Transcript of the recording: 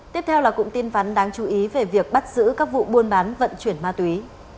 tiếp theo là cụm tin vắn đáng chú ý về việc bắt giữ các vụ buôn bán vận chuyển ma túy